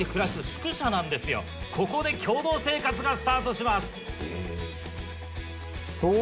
ここで共同生活がスタートします。